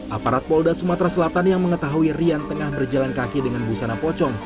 aparat polda sumatera selatan yang mengetahui rian tengah berjalan kaki dengan busana pocong